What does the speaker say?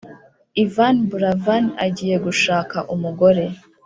Yvan buravan agiye gushak umugore